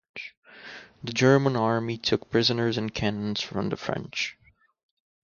The German army took prisoners and cannons from the French.